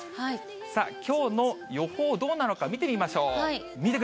さあ、きょうの予報どうなのか、見てみましょう。